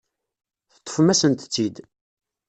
Teṭṭfem-asent-tt-id.